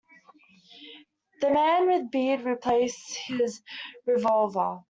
The man with the beard replaced his revolver.